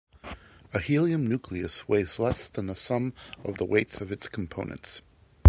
A helium nucleus weighs less than the sum of the weights of its components.